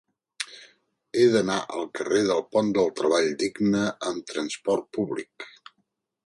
He d'anar al carrer del Pont del Treball Digne amb trasport públic.